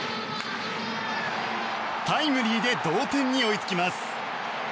タイムリーで同点に追いつきます。